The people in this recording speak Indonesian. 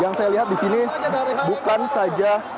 yang saya lihat di sini bukan saja